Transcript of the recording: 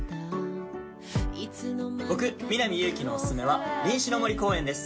僕南優輝のおすすめは林試の森公園です